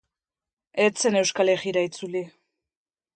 Ez zen Euskal Herrira itzuli.